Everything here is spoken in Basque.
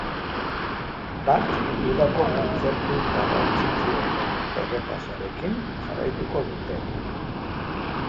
Bart udako kontzertu garrantzitsuenen errepasoarekin jarraituko dute.